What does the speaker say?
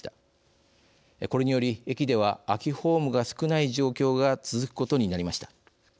これにより駅では空きホームが少ない状況が続くことになりました。